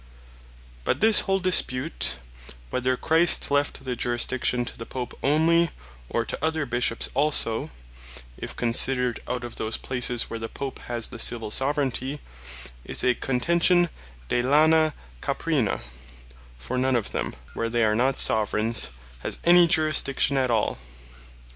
But this whole Dispute, whether Christ left the Jurisdiction to the Pope onely, or to other Bishops also, if considered out of these places where the Pope has the Civill Soveraignty, is a contention De Lana Caprina: For none of them (where they are not Soveraigns) has any Jurisdiction at all.